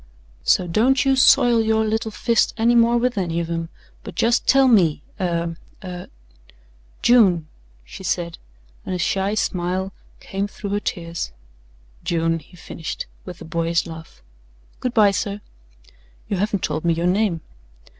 "So don't you soil your little fist any more with any of 'em, but just tell me er er " "June," she said, and a shy smile came through her tears. "June," he finished with a boyish laugh. "Good by sir." "You haven't told me your name."